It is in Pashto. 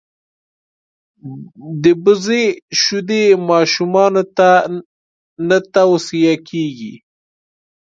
دبزې شیدي ماشومانوته نه تو صیه کیږي.